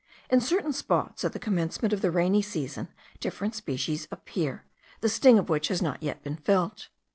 In certain spots, at the commencement of the rainy season, different species appear, the sting of which has not yet been felt.